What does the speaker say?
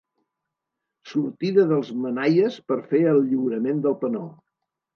Sortida dels manaies per fer el lliurament del Penó.